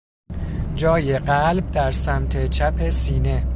جای قلب در سمت چپ سینه